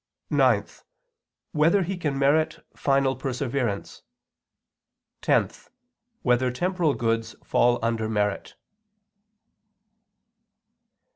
(9) Whether he can merit final perseverance? (10) Whether temporal goods fall under merit?